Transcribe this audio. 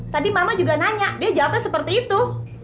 tadi mama juga nanya dia jawabnya seperti itu